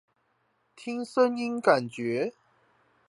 聽聲音感覺